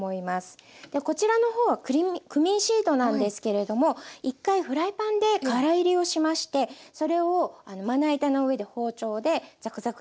こちらの方はクミンシードなんですけれども１回フライパンでからいりをしましてそれをまな板の上で包丁でザクザクザクッと刻んでいます。